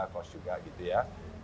pos juga gitu ya